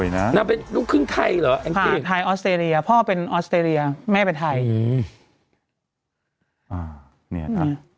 หน้าเป็นรูขึ้นไทยหรอพ่อเป็นออสเตรเลียแม่เป็นไทย